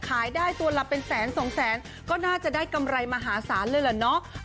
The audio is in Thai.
ขายได้ตัวละเป็นแสนสองแสนก็น่าจะได้กำไรมหาศาลเลยแหละเนาะ